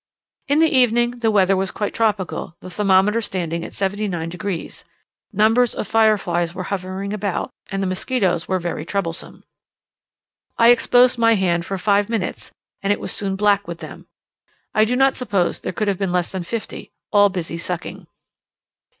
In the evening the weather was quite tropical, the thermometer standing at 79 degs. Numbers of fireflies were hovering about, and the musquitoes were very troublesome. I exposed my hand for five minutes, and it was soon black with them; I do not suppose there could have been less than fifty, all busy sucking.